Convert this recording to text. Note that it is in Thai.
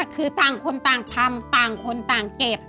คือต่างคนต่างทำต่างคนต่างเก็บ